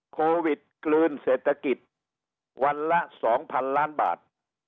โควิดกลืนเศรษฐกิจวันละ๒๐๐๐ล้านบาท